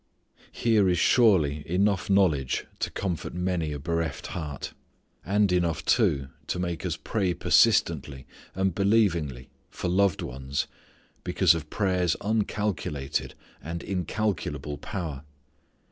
Here is surely enough knowledge to comfort many a bereft heart, and enough too to make us pray persistently and believingly for loved ones because of prayer's uncalculated and incalculable power.